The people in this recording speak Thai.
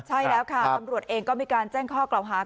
ใช่แล้วค่ะตำรวจเองก็มีการแจ้งข้อกล่าวหา